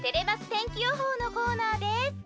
天気予報のコーナーです。